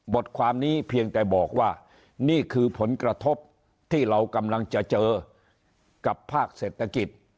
ความนี้เพียงแต่บอกว่านี่คือผลกระทบที่เรากำลังจะเจอกับภาคเศรษฐกิจ